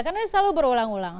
karena ini selalu berulang ulang